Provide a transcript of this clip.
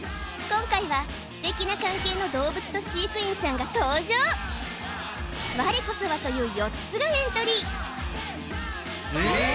今回はステキな関係の動物と飼育員さんが登場我こそはという４つがエントリーえーっ！？